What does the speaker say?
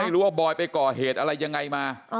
หรือว่าบอยไปก่อเหตุอะไรยังไงมา